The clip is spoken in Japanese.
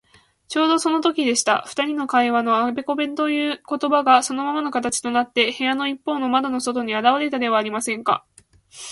ちょうどそのときでした。ふたりの会話の中のあべこべということばが、そのまま形となって、部屋のいっぽうの窓の外にあらわれたではありませんか。